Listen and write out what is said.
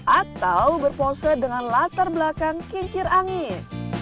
atau berpose dengan latar belakang kincir angin